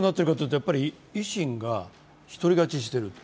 維新が一人勝ちしていると。